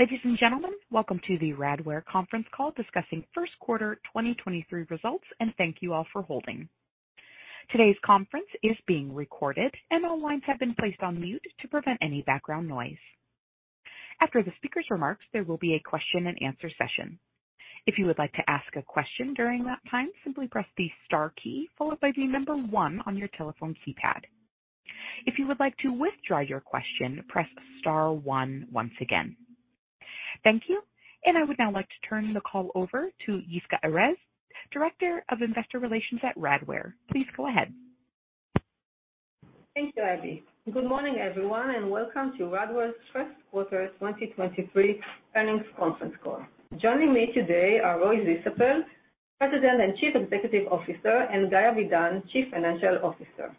Ladies and gentlemen, welcome to the Radware conference call discussing first quarter 2023 results. Thank you all for holding. Today's conference is being recorded. All lines have been placed on mute to prevent any background noise. After the speaker's remarks, there will be a question-and-answer session. If you would like to ask a question during that time, simply press the star key followed by one on your telephone keypad. If you would like to withdraw your question, press star one once again. Thank you. I would now like to turn the call over to Yisca Erez, Director of Investor Relations at Radware. Please go ahead. Thank you, Abby. Good morning, everyone, and welcome to Radware's first quarter 2023 earnings conference call. Joining me today are Roy Zisapel, President and Chief Executive Officer, and Guy Avidan, Chief Financial Officer.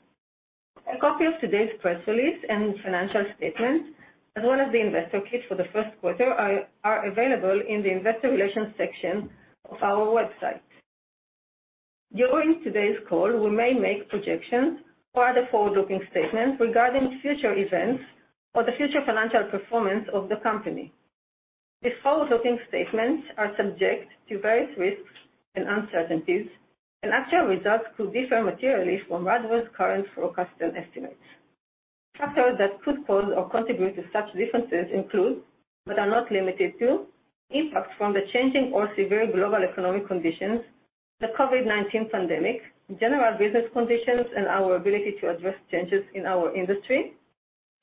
A copy of today's press release and financial statement, as well as the investor kit for the first quarter are available in the Investor Relations section of our website. During today's call, we may make projections or other forward-looking statements regarding future events or the future financial performance of the company. These forward-looking statements are subject to various risks and uncertainties, and actual results could differ materially from Radware's current forecasted estimates. Factors that could cause or contribute to such differences include, but are not limited to, impacts from the changing or severe global economic conditions, the COVID-19 pandemic, general business conditions, and our ability to address changes in our industry,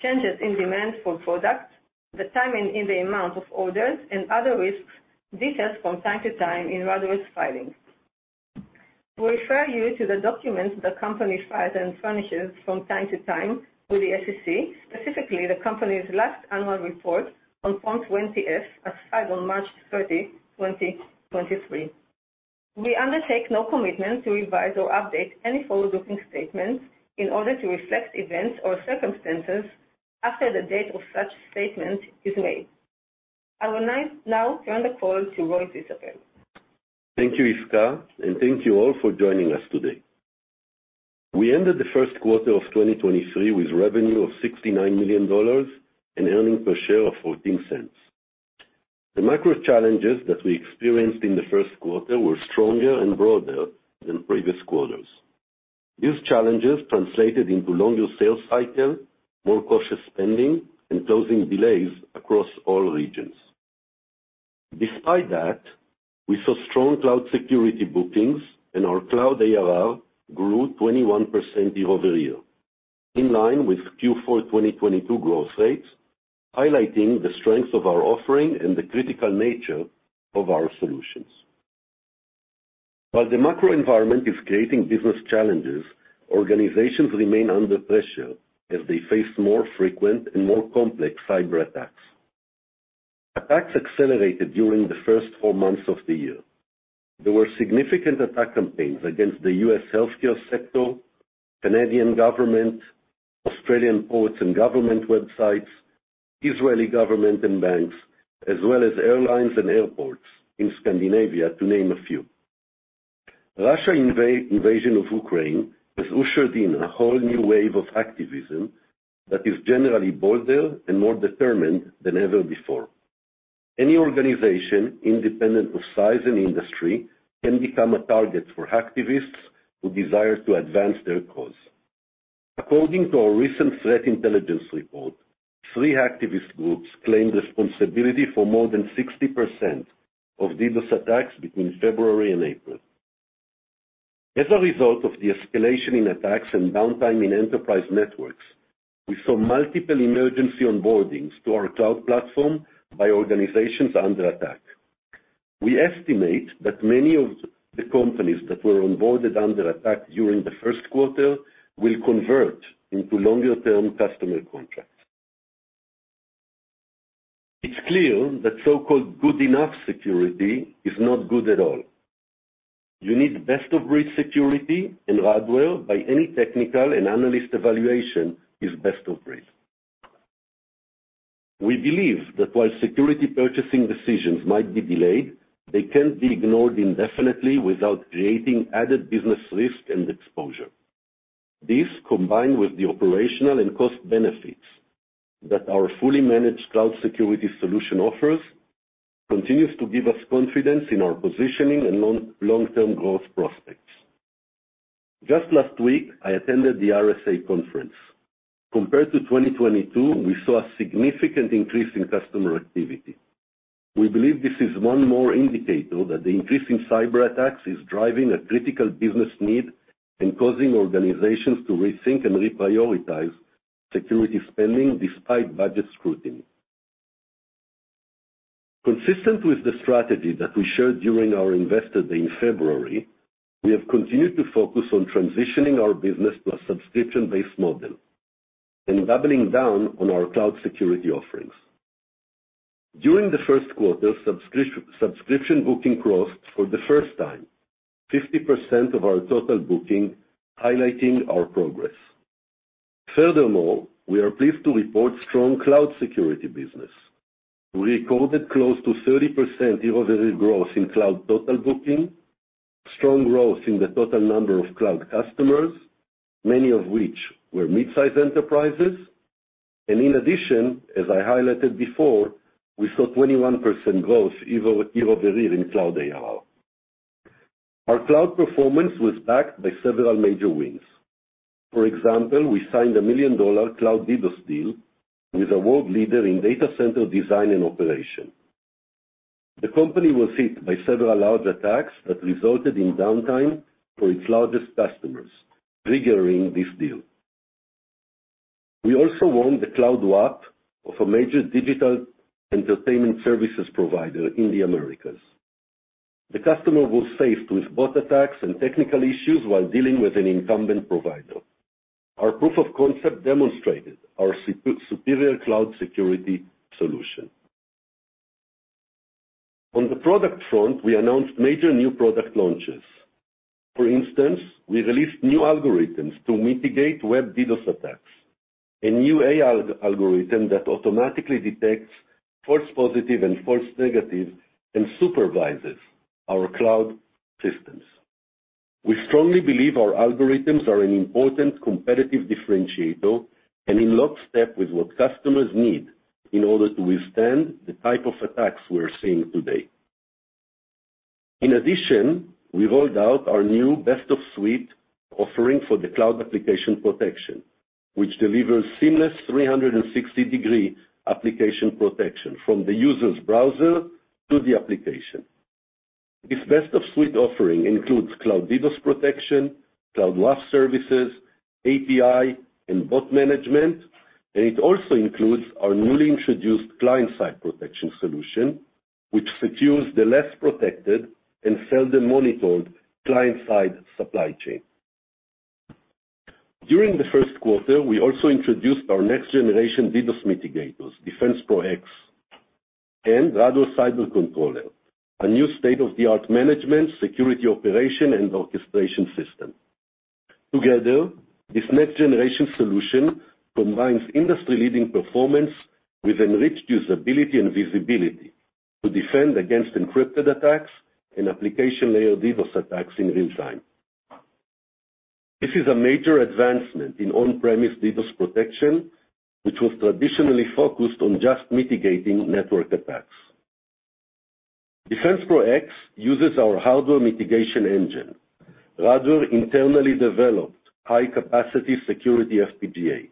changes in demand for products, the timing and the amount of orders, and other risks detailed from time to time in Radware's filings. We refer you to the documents the company files and furnishes from time to time to the SEC, specifically the company's last annual report on Form 20-F, as filed on March 30, 2023. We undertake no commitment to revise or update any forward-looking statement in order to reflect events or circumstances after the date of such statement is made. I will now turn the call to Roy Zisapel. Thank you, Yisca Erez, and thank you all for joining us today. We ended the first quarter of 2023 with revenue of $69 million and earnings per share of $0.14. The macro challenges that we experienced in the first quarter were stronger and broader than previous quarters. These challenges translated into longer sales cycle, more cautious spending, and closing delays across all regions. Despite that, we saw strong cloud security bookings and our cloud ARR grew 21% year-over-year, in line with Q4 2022 growth rates, highlighting the strength of our offering and the critical nature of our solutions. While the macro environment is creating business challenges, organizations remain under pressure as they face more frequent and more complex cyber attacks. Attacks accelerated during the first four months of the year. There were significant attack campaigns against the U.S. healthcare sector, Canadian government, Australian ports and government websites, Israeli government and banks, as well as airlines and airports in Scandinavia, to name a few. Russia invasion of Ukraine has ushered in a whole new wave of hacktivism that is generally bolder and more determined than ever before. Any organization, independent of size and industry, can become a target for hacktivists who desire to advance their cause. According to a recent threat intelligence report, three hacktivist groups claimed responsibility for more than 60% of DDoS attacks between February and April. As a result of the escalation in attacks and downtime in enterprise networks, we saw multiple emergency onboardings to our cloud platform by organizations under attack. We estimate that many of the companies that were onboarded under attack during the first quarter will convert into longer-term customer contracts. It's clear that so-called good enough security is not good at all. You need best-of-breed security, and Radware, by any technical and analyst evaluation, is best of breed. We believe that while security purchasing decisions might be delayed, they can't be ignored indefinitely without creating added business risk and exposure. This, combined with the operational and cost benefits that our fully managed cloud security solution offers, continues to give us confidence in our positioning and long-term growth prospects. Just last week, I attended the RSA Conference. Compared to 2022, we saw a significant increase in customer activity. We believe this is one more indicator that the increase in cyber attacks is driving a critical business need and causing organizations to rethink and reprioritize security spending despite budget scrutiny. Consistent with the strategy that we shared during our Investor Day in February, we have continued to focus on transitioning our business to a subscription-based model and doubling down on our cloud security offerings. During the first quarter, subscription booking crossed for the first time 50% of our total booking, highlighting our progress. We are pleased to report strong cloud security business. We recorded close to 30% year-over-year growth in cloud total booking. Strong growth in the total number of cloud customers, many of which were mid-size enterprises. In addition, as I highlighted before, we saw 21% growth year-over-year in cloud ARR. Our cloud performance was backed by several major wins. We signed a million-dollar cloud DDoS deal with a world leader in data center design and operation. The company was hit by several large attacks that resulted in downtime for its largest customers, triggering this deal. We also won the Cloud WAF of a major digital entertainment services provider in the Americas. The customer was faced with bot attacks and technical issues while dealing with an incumbent provider. Our proof of concept demonstrated our superior cloud security solution. On the product front, we announced major new product launches. For instance, we released new algorithms to mitigate Web DDoS attacks. A new AI algorithm that automatically detects false positive and false negative, and supervises our cloud systems. We strongly believe our algorithms are an important competitive differentiator and in lockstep with what customers need in order to withstand the type of attacks we're seeing today. In addition, we rolled out our new best of suite offering for the Cloud Application Protection, which delivers seamless 360-degree application protection from the user's browser to the application. This best of suite offering includes Cloud DDoS Protection, Cloud WAF services, API, and bot management. It also includes our newly introduced Client-Side Protection solution, which secures the less protected and seldom monitored client-side supply chain. During the 1st quarter, we also introduced our next generation DDoS mitigators, DefensePro X, and Radware Cyber Controller, a new state-of-the-art management, security operation and orchestration system. Together, this next generation solution combines industry-leading performance with enriched usability and visibility to defend against encrypted attacks and application layer DDoS attacks in real time. This is a major advancement in on-premise DDoS protection, which was traditionally focused on just mitigating network attacks. DefensePro X uses our hardware mitigation engine. Radware internally developed high-capacity security FPGA.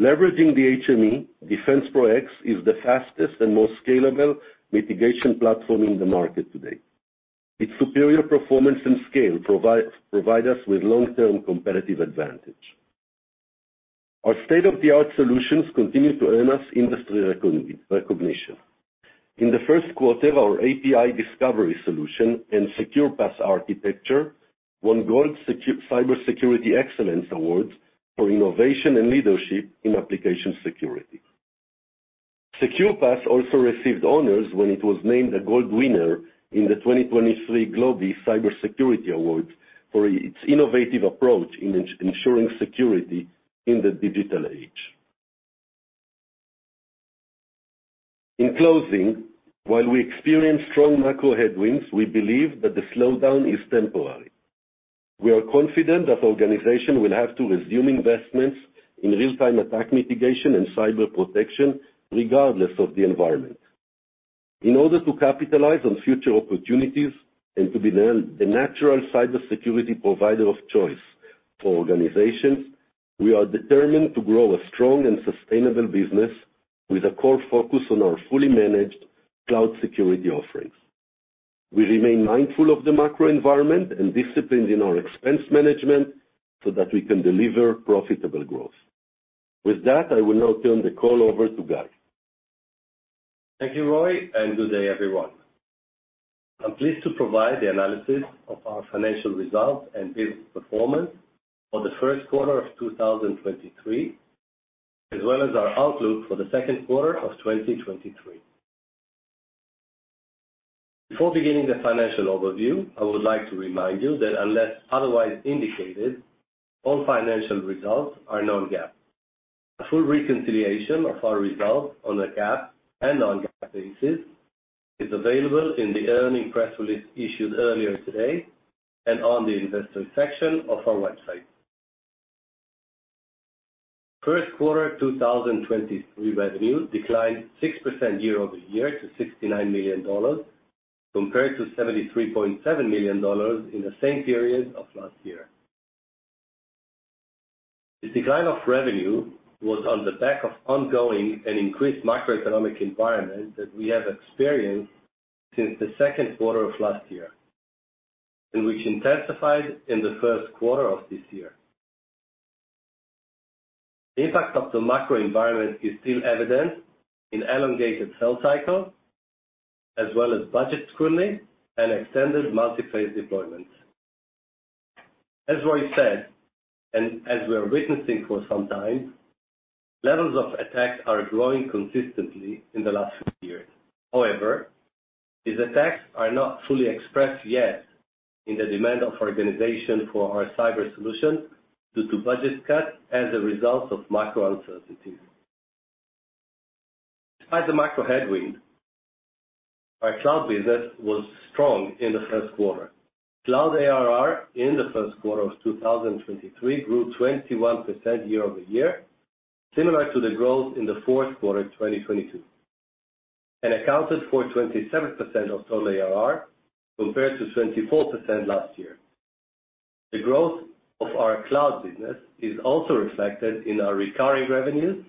Leveraging the HME, DefensePro X is the fastest and most scalable mitigation platform in the market today. Its superior performance and scale provide us with long-term competitive advantage. Our state-of-the-art solutions continue to earn us industry recognition. In the first quarter, our API discovery solution and SecurePath architecture won Gold Cybersecurity Excellence Awards for innovation and leadership in application security. SecurePath also received honors when it was named a gold winner in the 2023 Globee Cybersecurity Awards for its innovative approach in insuring security in the digital age. In closing, while we experienced strong macro headwinds, we believe that the slowdown is temporary. We are confident that organizations will have to resume investments in real-time attack mitigation and cyber protection regardless of the environment. In order to capitalize on future opportunities and to be the natural cybersecurity provider of choice for organizations, we are determined to grow a strong and sustainable business with a core focus on our fully managed cloud security offerings. We remain mindful of the macro environment and disciplined in our expense management so that we can deliver profitable growth. With that, I will now turn the call over to Guy. Thank you, Roy, and good day, everyone. I'm pleased to provide the analysis of our financial results and business performance for the first quarter of 2023, as well as our outlook for the second quarter of 2023. Before beginning the financial overview, I would like to remind you that unless otherwise indicated, all financial results are non-GAAP. A full reconciliation of our results on a GAAP and non-GAAP basis is available in the earnings press release issued earlier today and on the investor section of our website. First quarter 2023 revenue declined 6% year-over-year to $69 million, compared to $73.7 million in the same period of last year. The decline of revenue was on the back of ongoing and increased macroeconomic environment that we have experienced since the second quarter of last year, and which intensified in the first quarter of this year. The impact of the macro environment is still evident in elongated sales cycle, as well as budget scrutiny and extended multi-phase deployments. As Roy said, and as we're witnessing for some time, levels of attacks are growing consistently in the last few years. However, these attacks are not fully expressed yet in the demand of organization for our cyber solution due to budget cuts as a result of macro uncertainties. By the macro headwind, our cloud business was strong in the first quarter. Cloud ARR in the first quarter of 2023 grew 21% year-over-year, similar to the growth in the fourth quarter of 2022, and accounted for 27% of total ARR compared to 24% last year. The growth of our cloud business is also reflected in our recurring revenues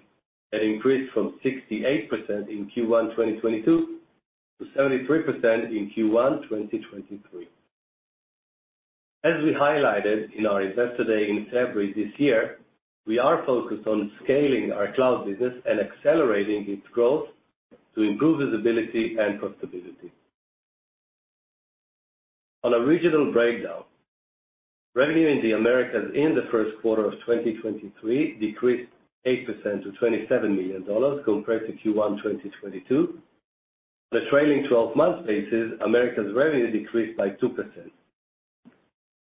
that increased from 68% in Q1 2022 to 73% in Q1 2023. As we highlighted in our Investor Day in February this year, we are focused on scaling our cloud business and accelerating its growth to improve visibility and profitability. On a regional breakdown, revenue in the Americas in the first quarter of 2023 decreased 8% to $27 million compared to Q1 2022. The trailing 12-month basis, Americas revenue decreased by 2%.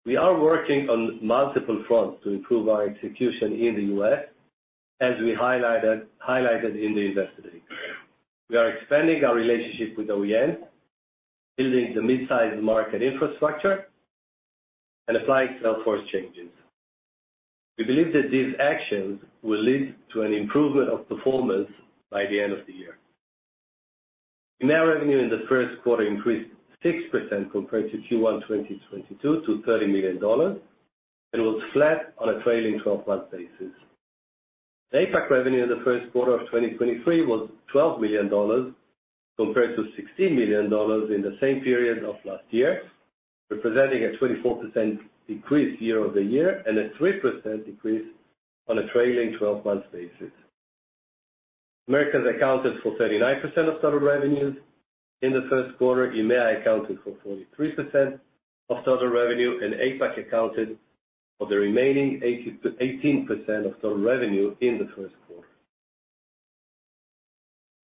We are working on multiple fronts to improve our execution in the U.S., as we highlighted in the Investor Day. We are expanding our relationship with OEM, building the mid-size market infrastructure, and applying sales force changes. We believe that these actions will lead to an improvement of performance by the end of the year. EMEA revenue in the first quarter increased 6% compared to Q1 2022 to $30 million and was flat on a trailing 12-month basis. APAC revenue in the first quarter of 2023 was $12 million compared to $16 million in the same period of last year, representing a 24% decrease year-over-year and a 3% decrease on a trailing 12-month basis. Americas accounted for 39% of total revenues in the first quarter. EMEA accounted for 43% of total revenue. APAC accounted for the remaining 18% of total revenue in the first quarter.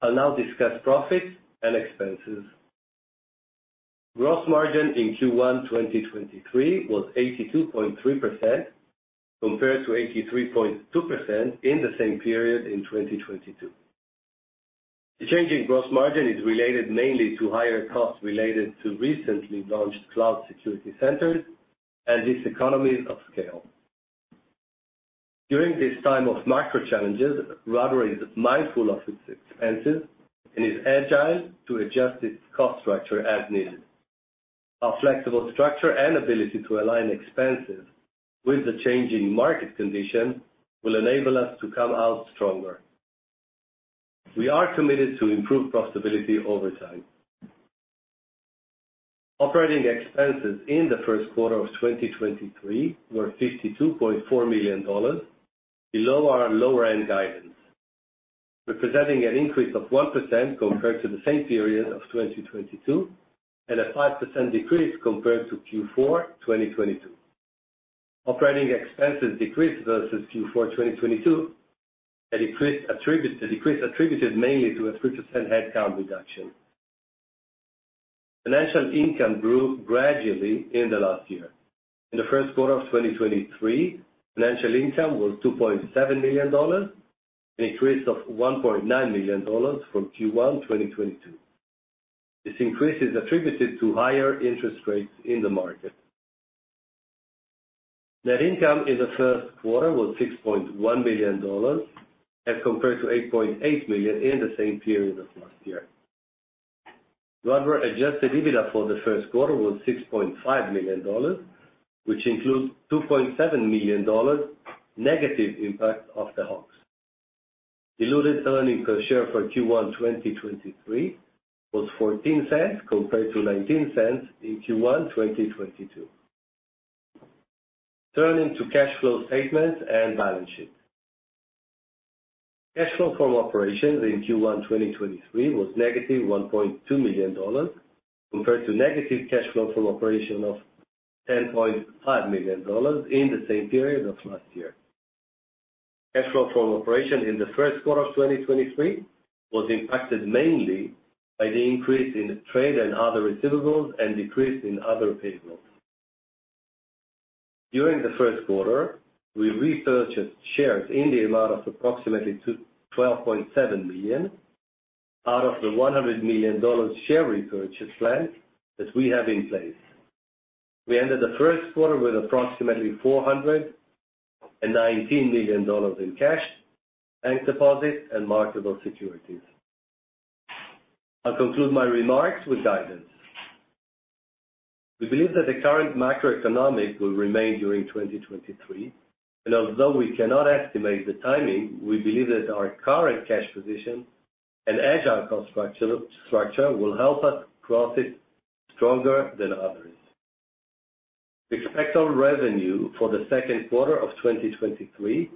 I'll now discuss profits and expenses. Gross margin in Q1 2023 was 82.3% compared to 83.2% in the same period in 2022. The change in gross margin is related mainly to higher costs related to recently launched cloud security centers and its economies of scale. During this time of macro challenges, Radware is mindful of its expenses and is agile to adjust its cost structure as needed. Our flexible structure and ability to align expenses with the changing market condition will enable us to come out stronger. We are committed to improve profitability over time. Operating expenses in the first quarter of 2023 were $52.4 million, below our lower-end guidance, representing an increase of 1% compared to the same period of 2022 and a 5% decrease compared to Q4 2022. Operating expenses decreased versus Q4 2022. A decrease attributed mainly to a 3% headcount reduction. Financial income grew gradually in the last year. In the first quarter of 2023, financial income was $2.7 million, an increase of $1.9 million from Q1 2022. This increase is attributed to higher interest rates in the market. Net income in the first quarter was $6.1 million as compared to $8.8 million in the same period of last year. Adjusted EBITDA for the first quarter was $6.5 million, which includes $2.7 million negative impact of the FX. Diluted earnings per share for Q1 2023 was $0.14 compared to $0.19 in Q1 2022. Turning to cash flow statement and balance sheet. Cash flow from operations in Q1 2023 was -$1.2 million, compared to negative cash flow from operation of $10.5 million in the same period of last year. Cash flow from operation in the first quarter of 2023 was impacted mainly by the increase in trade and other receivables and decrease in other payables. During the first quarter, we repurchased shares in the amount of approximately $12.7 million out of the $100 million share repurchase plan that we have in place. We ended the first quarter with approximately $419 million in cash, bank deposits, and marketable securities. I'll conclude my remarks with guidance. We believe that the current macroeconomic will remain during 2023. Although we cannot estimate the timing, we believe that our current cash position and agile cost structure will help us cross it stronger than others. We expect our revenue for the second quarter of 2023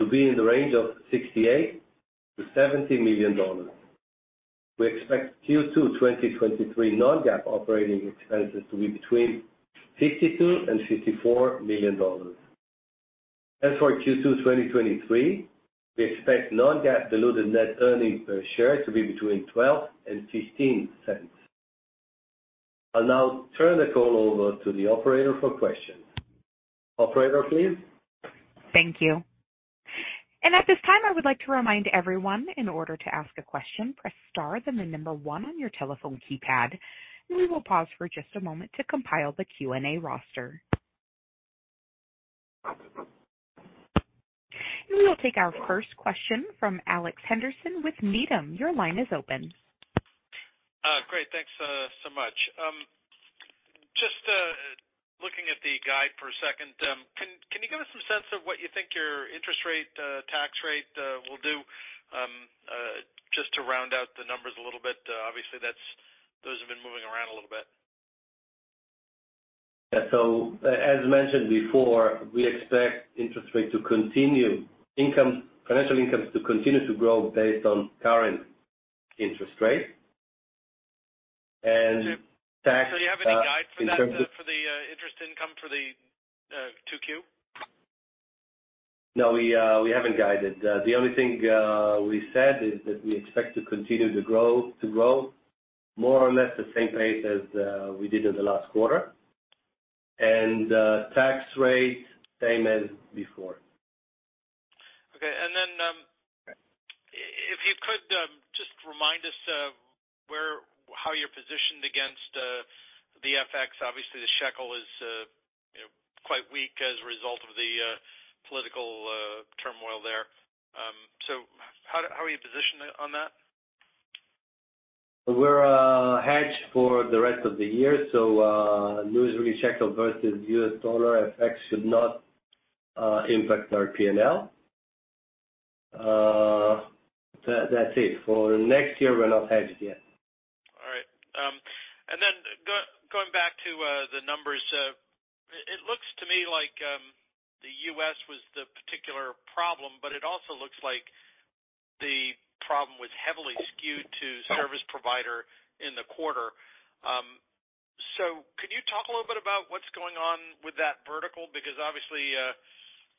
to be in the range of $68 million-$70 million. We expect Q2, 2023 non-GAAP operating expenses to be between $52 million and $54 million. As for Q2, 2023, we expect non-GAAP diluted net earnings per share to be between $0.12 and $0.15. I'll now turn the call over to the operator for questions. Operator, please. Thank you. At this time, I would like to remind everyone, in order to ask a question, press star, then the one on your telephone keypad. We will pause for just a moment to compile the Q&A roster. We will take our first question from Alex Henderson with Needham. Your line is open. Great. Thanks so much. Just looking at the guide for a second, can you give us some sense of what you think your interest rate, tax rate, will do, just to round out the numbers a little bit? Obviously those have been moving around a little bit. As mentioned before, we expect interest rate to continue financial incomes to continue to grow based on current interest rates. Do you have any guides for that, for the interest income for the 2Q? No, we haven't guided. The only thing we said is that we expect to continue to grow more or less the same rate as we did in the last quarter. Tax rate, same as before. Okay. If you could, just remind us of how you're positioned against the FX. Obviously, the shekel is, you know, quite weak as a result of the political turmoil there. How are you positioned on that? We're hedged for the rest of the year, so news really shekel versus US dollar FX should not impact our P&L. That's it. For next year, we're not hedged yet. All right. Going back to the numbers. It looks to me like the U.S. was the particular problem, but it also looks like the problem was heavily skewed to service provider in the quarter. Could you talk a little bit about what's going on with that vertical? Because obviously,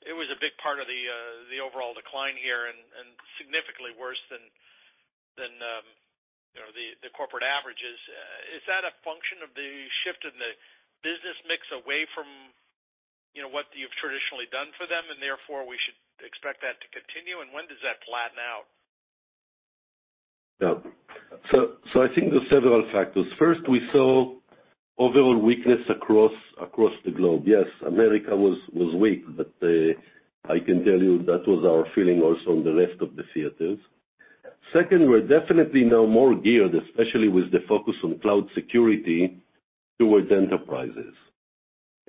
it was a big part of the overall decline here and significantly worse than, you know, the corporate averages. Is that a function of the shift in the business mix away from, you know, what you've traditionally done for them, and therefore we should expect that to continue, and when does that flatten out? I think there's several factors. First, we saw overall weakness across the globe. Yes, America was weak, but I can tell you that was our feeling also on the rest of the theaters. Second, we're definitely now more geared, especially with the focus on cloud security, towards enterprises.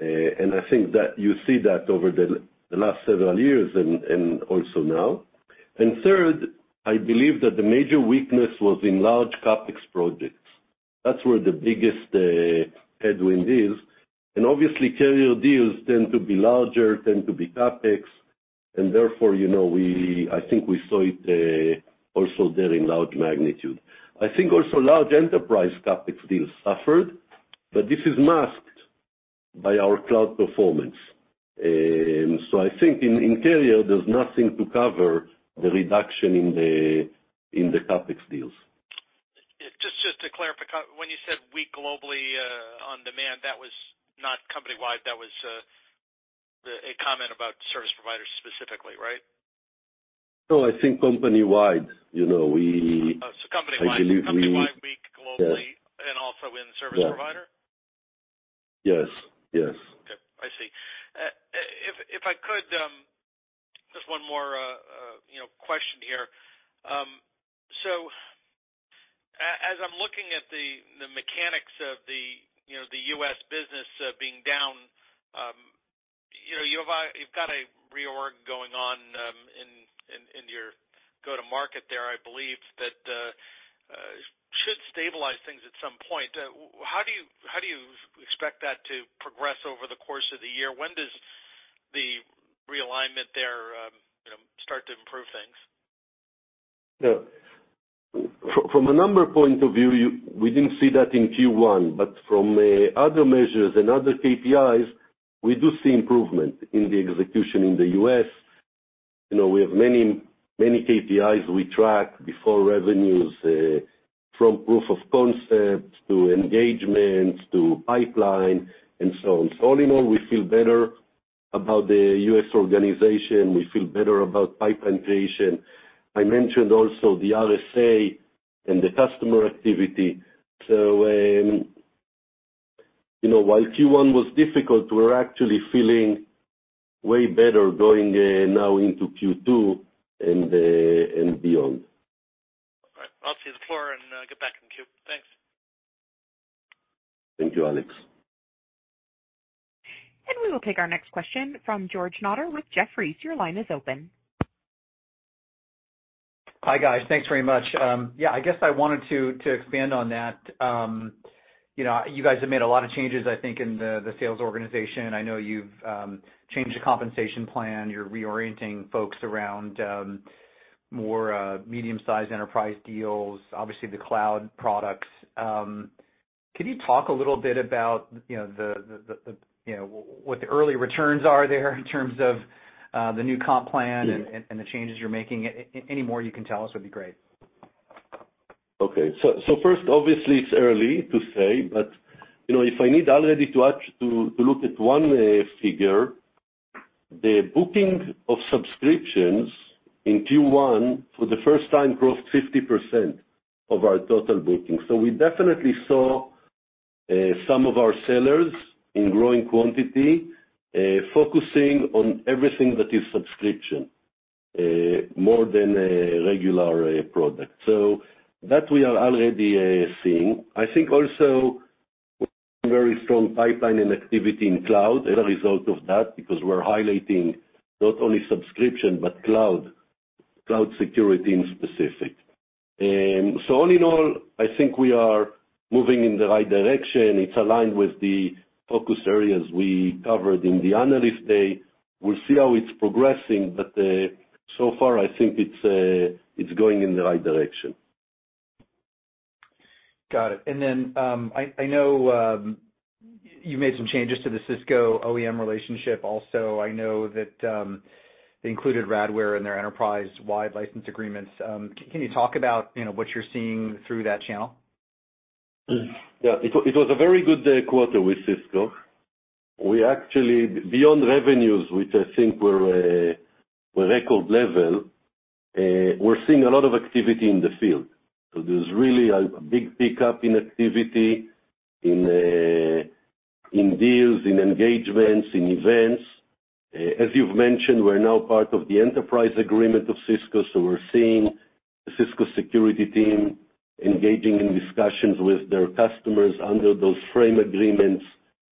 I think that you see that over the last several years and also now. Third, I believe that the major weakness was in large CapEx projects. That's where the biggest headwind is. Obviously, carrier deals tend to be larger, tend to be CapEx, and therefore, you know, I think we saw it also there in large magnitude. I think also large enterprise CapEx deals suffered, but this is masked by our cloud performance. I think in carrier, there's nothing to cover the reduction in the CapEx deals. Just to clarify, when you said weak globally, on demand, that was not company-wide, that was a comment about service providers specifically, right? No, I think company-wide. You know. Company-wide. Company-wide, weak globally- Yeah. Also in service provider? Yes, yes. Okay. I see. If I could, just one more, you know, question here. As I'm looking at the mechanics of the, you know, the U.S. business being down, you've got a reorg going on in your go-to-market there, I believe, that should stabilize things at some point. How do you expect that to progress over the course of the year? When does the realignment there, you know, start to improve things? From a number point of view, we didn't see that in Q1, from other measures and other KPIs, we do see improvement in the execution in the U.S. You know, we have many KPIs we track before revenues, from proof of concept to engagements to pipeline and so on. All in all, we feel better about the U.S. organization. We feel better about pipeline creation. I mentioned also the RSA and the customer activity. You know, while Q1 was difficult, we're actually feeling way better going now into Q2 and beyond. All right. I'll cede the floor and get back in queue. Thanks. Thank you, Alex. We will take our next question from George Notter with Jefferies. Your line is open. Hi, guys. Thanks very much. Yeah, I guess I wanted to expand on that. You know, you guys have made a lot of changes, I think, in the sales organization. I know you've changed the compensation plan. You're reorienting folks around more medium-sized enterprise deals, obviously the cloud products. Can you talk a little bit about, you know, the, you know, what the early returns are there in terms of the new comp plan and the changes you're making? Any more you can tell us would be great. Okay. First, obviously it's early to say, but, you know, if I need already to actually to look at one figure, the booking of subscriptions in Q1 for the first time grew 50% of our total bookings. We definitely saw some of our sellers in growing quantity focusing on everything that is subscription more than a regular product. That we are already seeing. I think also very strong pipeline and activity in cloud as a result of that, because we're highlighting not only subscription, but cloud security in specific. All in all, I think we are moving in the right direction. It's aligned with the focus areas we covered in the analyst day. We'll see how it's progressing, but so far, I think it's going in the right direction. Got it. I know you made some changes to the Cisco OEM relationship also. I know that they included Radware in their enterprise-wide license agreements. Can you talk about, you know, what you're seeing through that channel? Yeah. It was a very good quarter with Cisco. We actually, beyond revenues, which I think were record level, we're seeing a lot of activity in the field. There's really a big pickup in activity in deals, in engagements, in events. As you've mentioned, we're now part of the enterprise agreement of Cisco, we're seeing the Cisco security team engaging in discussions with their customers under those frame agreements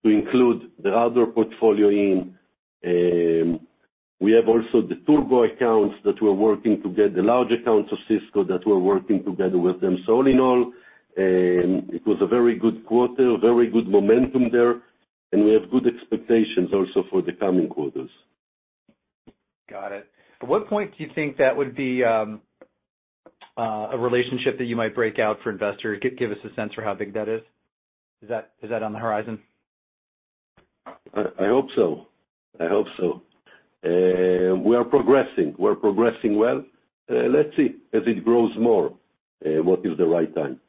to include the other portfolio in. We have also the Turbo accounts that we're working to get, the large accounts of Cisco that we're working together with them. All in all, it was a very good quarter, very good momentum there, and we have good expectations also for the coming quarters. Got it. At what point do you think that would be a relationship that you might break out for investors? Give us a sense for how big that is. Is that on the horizon? I hope so. I hope so. We are progressing. We're progressing well. Let's see. As it grows more, what is the right time?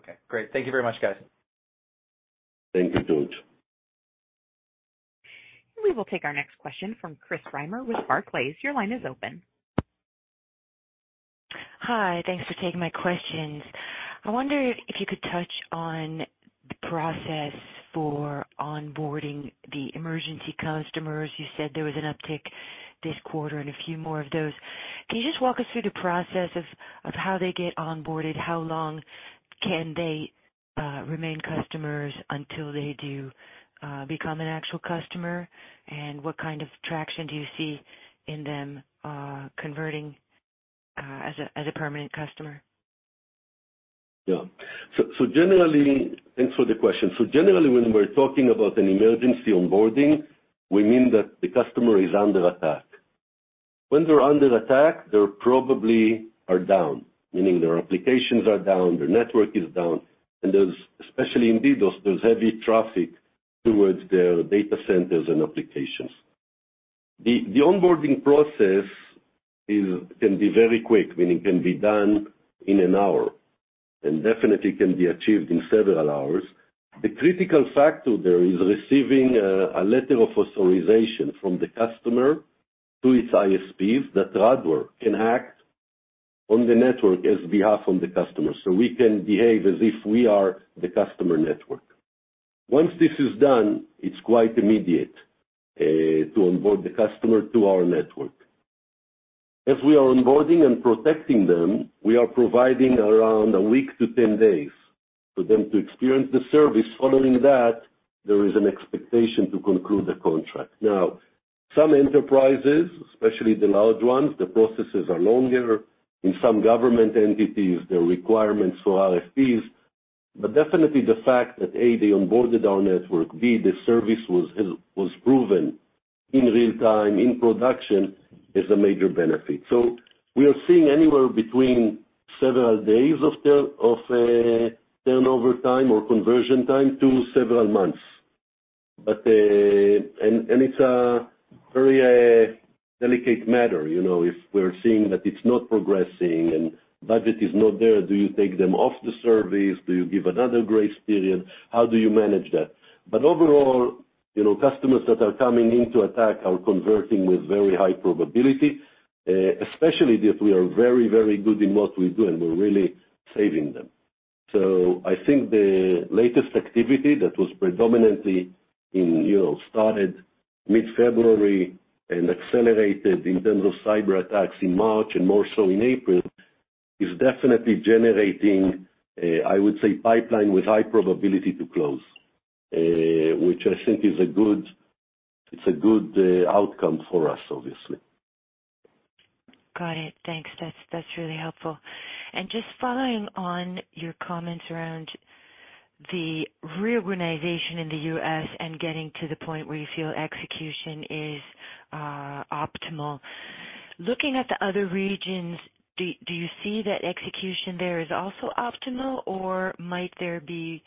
Okay, great. Thank you very much, guys. Thank you, George. We will take our next question from Chris Reimer with Barclays. Your line is open. Hi. Thanks for taking my questions. I wonder if you could touch on the process for onboarding the emergency customers. You said there was an uptick this quarter and a few more of those. Can you just walk us through the process of how they get onboarded? How long can they remain customers until they do become an actual customer? What kind of traction do you see in them converting as a permanent customer? Yeah. Generally. Thanks for the question. Generally, when we're talking about an emergency onboarding, we mean that the customer is under attack. When they're under attack, they probably are down, meaning their applications are down, their network is down, and especially in DDoS, there's heavy traffic towards their data centers and applications. The onboarding process can be very quick, meaning it can be done in an hour, and definitely can be achieved in several hours. The critical factor there is receiving a letter of authorization from the customer to its ISPs that Radware can act on the network as behalf on the customer, we can behave as if we are the customer network. Once this is done, it's quite immediate to onboard the customer to our network. As we are onboarding and protecting them, we are providing around a week to 10 days for them to experience the service. Following that, there is an expectation to conclude the contract. Some enterprises, especially the large ones, the processes are longer. In some government entities, there are requirements for RFPs. Definitely the fact that, A, they onboarded our network, B, the service was proven in real time, in production, is a major benefit. We are seeing anywhere between several days of turnover time or conversion time to several months. And it's a very delicate matter, you know. If we're seeing that it's not progressing and budget is not there, do you take them off the service? Do you give another grace period? How do you manage that? Overall, you know, customers that are coming into attack are converting with very high probability, especially if we are very, very good in what we do, and we're really saving them. I think the latest activity that was predominantly in, you know, started mid-February and accelerated in terms of cyberattacks in March and more so in April, is definitely generating, I would say pipeline with high probability to close, which I think is a good, it's a good outcome for us, obviously. Got it. Thanks. That's really helpful. Just following on your comments around the reorganization in the U.S. and getting to the point where you feel execution is optimal. Looking at the other regions, do you see that execution there is also optimal, or might there be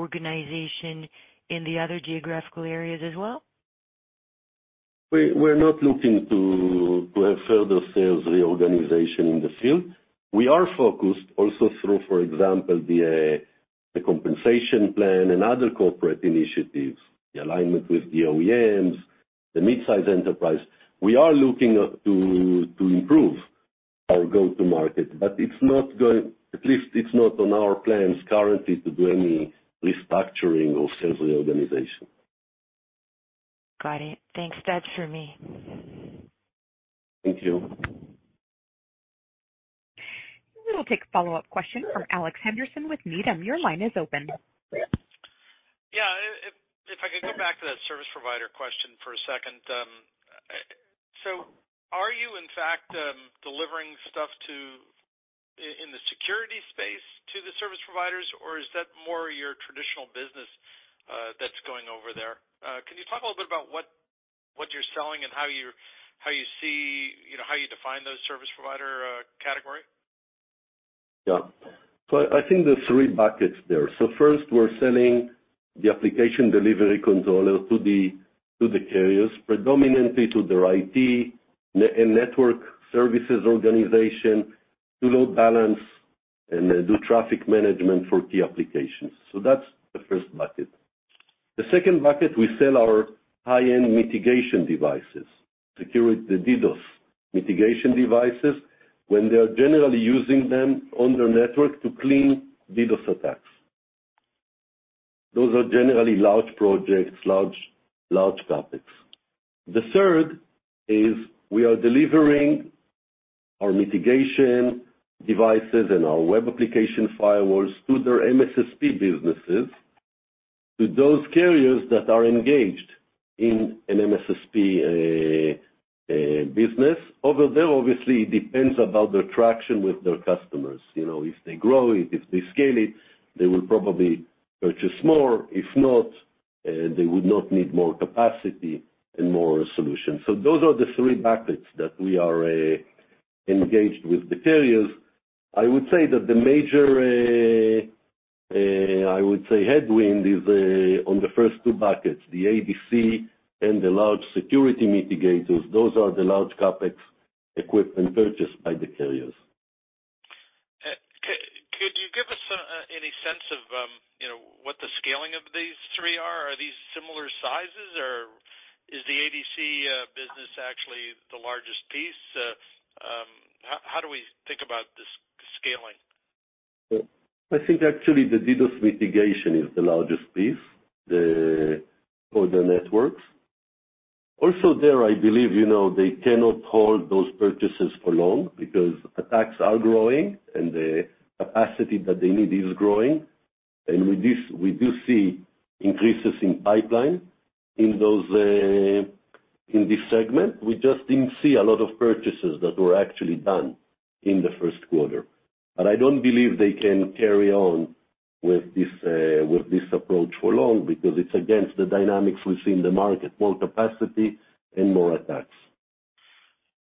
a need for reorganization in the other geographical areas as well? We're not looking to have further sales reorganization in the field. We are focused also through, for example, the compensation plan and other corporate initiatives, the alignment with the OEMs, the mid-size enterprise. We are looking to improve our go-to market, but at least it's not on our plans currently to do any restructuring or sales reorganization. Got it. Thanks. That's for me. Thank you. We'll take a follow-up question from Alex Henderson with Needham. Your line is open. If I could go back to that service provider question for a second. Are you in fact delivering stuff in the security space to the service providers, or is that more your traditional business that's going over there? Can you talk a little bit about what you're selling and how you see, you know, how you define those service provider category? I think there are three buckets there. First, we're selling the application delivery controller to the carriers, predominantly to their IT network services organization, to load balance and do traffic management for key appllications. The second bucket, we sell our high-end mitigation devices, security, the DDoS mitigation devices, when they are generally using them on their network to clean DDoS attacks. Those are generally large projects, large CapEx. The third is we are delivering our mitigation devices and our web application firewalls to their MSSP businesses, to those carriers that are engaged in an MSSP business. Over there, obviously, it depends about their traction with their customers. You know, if they grow it, if they scale it, they will probably purchase more. If not, they would not need more capacity and more solutions. Those are the three buckets that we are engaged with the carriers. I would say that the major, I would say headwind is on the first two buckets, the ADC and the large security mitigators. Those are the large CapEx equipment purchased by the carriers. Could you give us, you know, any sense of what the scaling of these three are? Are these similar sizes, or is the ADC business actually the largest piece? How do we think about this scaling? I think actually the DDoS mitigation is the largest piece for the networks. Also there, I believe, you know, they cannot hold those purchases for long because attacks are growing and the capacity that they need is growing. We do see increases in pipeline in those in this segment. We just didn't see a lot of purchases that were actually done in the first quarter. I don't believe they can carry on with this with this approach for long because it's against the dynamics we see in the market, more capacity and more attacks.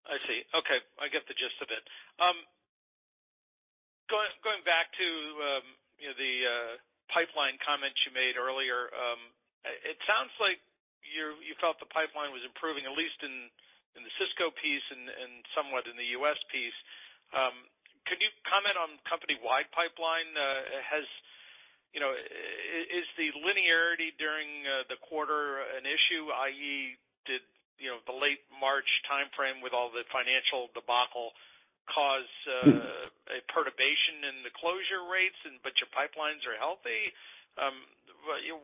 I see. Okay. I get the gist of it. Going back to, you know, the pipeline comment you made earlier. It sounds like you felt the pipeline was improving, at least in the Cisco piece and somewhat in the U.S. piece. Could you comment on company-wide pipeline? Has, you know, is the linearity during the quarter an issue, i.e., did, you know, the late March timeframe with all the financial debacle cause a perturbation in the closure rates and but your pipelines are healthy?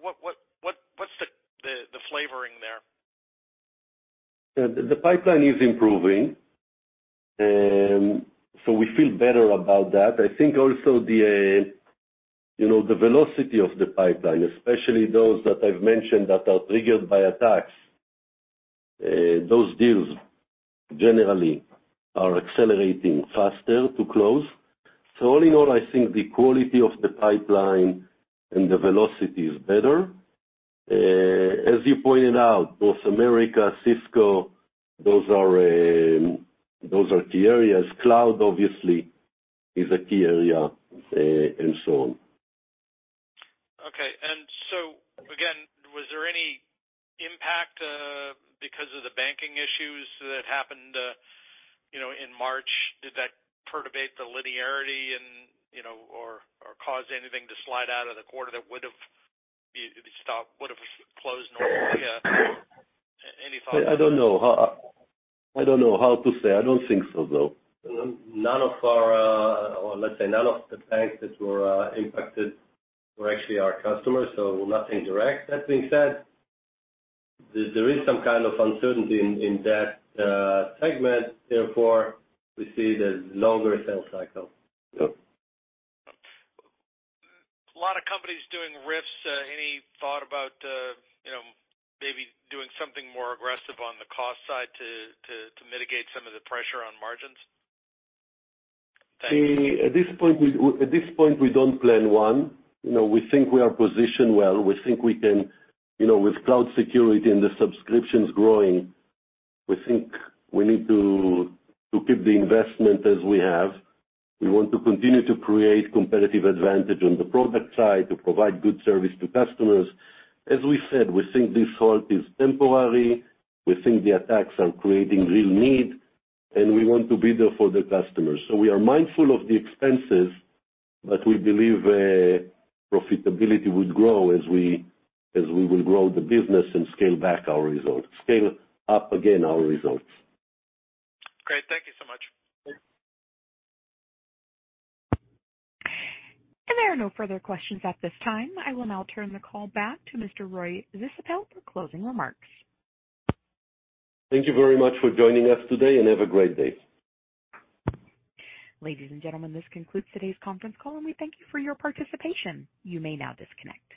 What's the flavoring there? The pipeline is improving, so we feel better about that. I think also, you know, the velocity of the pipeline, especially those that I've mentioned that are triggered by attacks, those deals generally are accelerating faster to close. All in all, I think the quality of the pipeline and the velocity is better. As you pointed out, both America, Cisco, those are key areas. Cloud, obviously, is a key area, and so on. Okay. Again, was there any impact because of the banking issues that happened, you know, in March? Did that perturbate the linearity and, you know, or cause anything to slide out of the quarter that would've stopped, would have closed normally? Any thoughts on that? I don't know. I don't know how to say. I don't think so, though. None of our, or let's say none of the banks that were impacted were actually our customers, so nothing direct. That being said, there is some kind of uncertainty in that segment, therefore, we see the longer sales cycle. A lot of companies doing RIFs, any thought about, you know, maybe doing something more aggressive on the cost side to mitigate some of the pressure on margins? At this point, we don't plan one. You know, we think we are positioned well. We think we can, you know, with cloud security and the subscriptions growing, we think we need to keep the investment as we have. We want to continue to create competitive advantage on the product side, to provide good service to customers. As we said, we think this halt is temporary. We think the attacks are creating real need, and we want to be there for the customers. We are mindful of the expenses, but we believe profitability would grow as we will grow the business and scale back our results, scale up again our results. Great. Thank you so much. Okay. There are no further questions at this time. I will now turn the call back to Mr. Roy Zisapel for closing remarks. Thank you very much for joining us today, and have a great day. Ladies and gentlemen, this concludes today's conference call, and we thank you for your particiation. You may now disconnect.